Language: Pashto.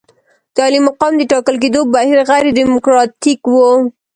د عالي مقام د ټاکل کېدو بهیر غیر ډیموکراتیک وو.